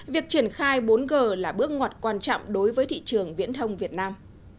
việc triển khai bốn g là bước ngoặt quan trọng đối với thị trường viễn thông việt nam